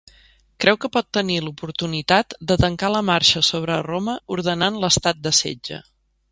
Creu que pot tenir l'oportunitat de tancar la Marxa sobre Roma ordenant l'estat de setge.